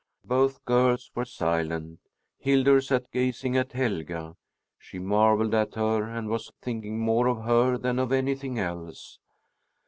Both girls were silent. Hildur sat gazing at Helga. She marvelled at her and was thinking more of her than of anything else.